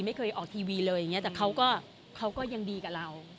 ไม่เคยออกทีวีเลยแต่เขาก็ยังดีกับเรา